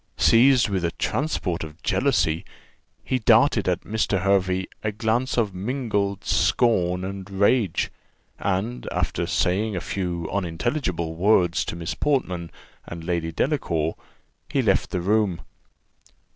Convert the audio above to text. Seized with a transport of jealousy, he darted at Mr. Hervey a glance of mingled scorn and rage; and, after saying a few unintelligible words to Miss Portman and Lady Delacour, he left the room.